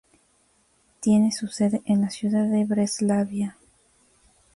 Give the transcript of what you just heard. Tiene su sede en la ciudad de Breslavia.